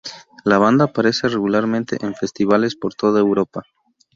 La banda aparece regularmente en festivales por toda Europa.